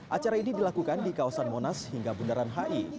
acara ini dilakukan di kawasan monas hingga bundaran hi